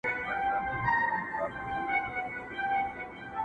لکه روڼي د چینې اوبه ځلېږي..